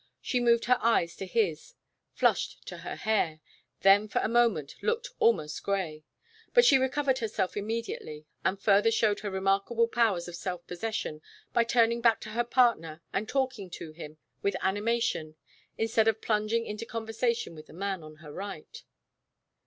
She moved her eyes to his, flushed to her hair, then for a moment looked almost gray. But she recovered herself immediately and further showed her remarkable powers of self possession by turning back to her partner and talking to him with animation instead of plunging into conversation with the man on her right.